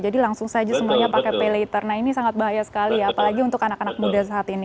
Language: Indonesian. jadi langsung saja semuanya pakai paylater nah ini sangat bahaya sekali ya apalagi untuk anak anak muda saat ini